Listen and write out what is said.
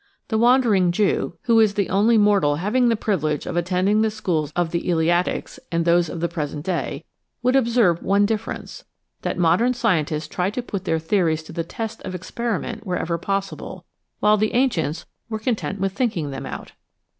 The Wandering Jew, who is the only mortal having the privilege of attending the schools of the Eleatics and those of the present day, would ob serve one difference, that modern scientists try to put their theories to the test of experiment wherever pos sible, while the ancients were content with thinking them out.